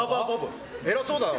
偉そうだな。